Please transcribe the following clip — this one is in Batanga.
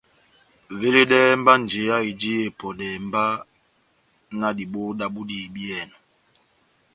Veledɛhɛ mba njeya eji epɔdɛhɛ mba na diboho dábu dihibiyɛnɔ.